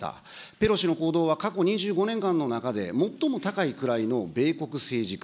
ペロシの行動は、過去２５年間の中で最も高い位の米国政治家。